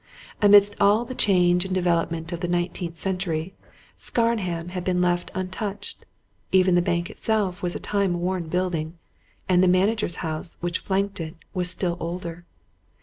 Amidst all the change and development of the nineteenth century, Scarnham had been left untouched: even the bank itself was a time worn building, and the manager's house which flanked it was still older.